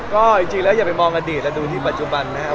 ก็อย่างจริงอย่าไปมองอดีตแล้วดูที่ปัจจุบันนะครับ